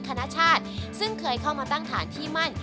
คณชาติซึ่งเคยเข้ามาตั้งฐานที่มั่น